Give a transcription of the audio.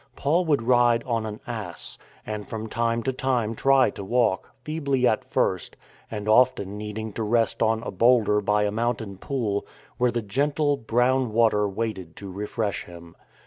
Paul would ride on an ass, and from time to time try to walk, feebly at first, and often needing to rest on a boulder by a mountain pool, where the gentle, brown water waited to refresh him.